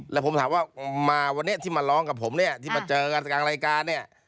แล้วผมถามว่ามาวันนี้ที่มาร้องกับผมเนี่ยที่มาเจอกันกลางรายการเนี่ย